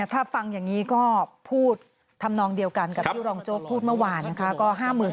ท่านได้ตังค์เดือนละกี่หมื่น